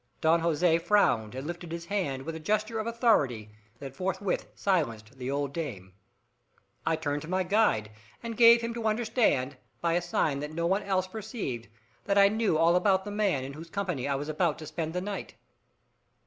Don Jose frowned and lifted his hand with a gesture of authority that forthwith silenced the old dame. I turned to my guide and gave him to understand, by a sign that no one else perceived, that I knew all about the man in whose company I was about to spend the night.